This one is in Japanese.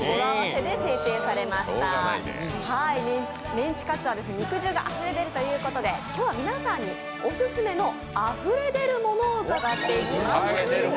メンチカツは肉汁があふれ出るというこで、今日は皆さんにおすすめのあふれ出るものを伺っていきます。